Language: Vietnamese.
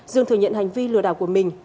dương thừa nhận hành vi lừa đảo của mình